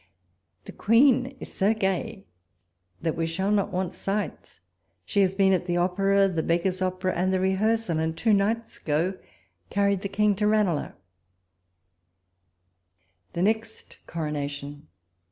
The Queen is so gay that we shall not want sights; she has been at the Opera, the P>eggar's Opera and the Rehear sal, and two nights ago carried the King to Ranelagh. WALPOLES LETTERS. 87 '"rUK NEXT CORONATION